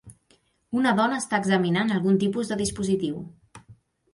Una dona està examinat algun tipus de dispositiu.